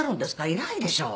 いないでしょ。